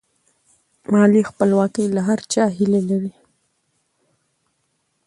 مالي خپلواکي د هر چا هیله ده.